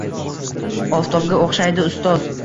Oftobga o‘xshaydi ustoz